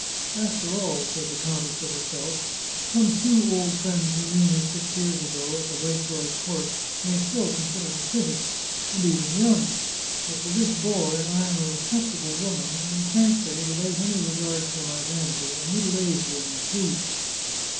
" After all," said the countess to herself, " some few old friends who knew me six years ago at the viceroy's court may still con sider me pretty, and even young; but to this boy I am a respectable woman, and frankly, without any regard for my vanity, a middle aged woman, too